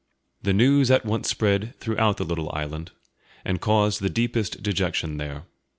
The news at once spread throughout the little island, and caused the deepest dejection there.